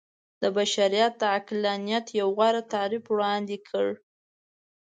د بشريت د عقلانيت يو غوره تعريف وړاندې کړ.